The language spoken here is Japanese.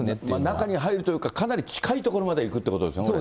中に入るというか、かなり近い所まで行くってことですね。